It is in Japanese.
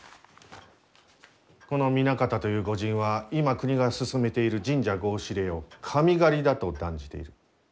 この南方という御仁は今国が進めている神社合祀令を「神狩り」だと断じている。